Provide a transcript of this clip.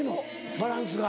バランスが。